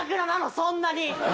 そんなに。